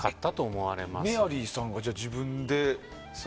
メアリーさんが自分で。